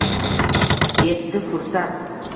Yetdi fursat